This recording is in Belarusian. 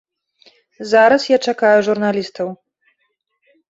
Зараз я чакаю журналістаў.